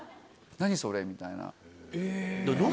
何それみたいな。